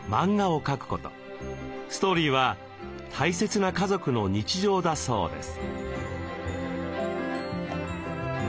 ストーリーは大切な家族の日常だそうです。